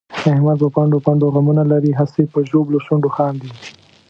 احمد په پنډو پنډو غمونه لري، هسې په ژبلو شونډو خاندي.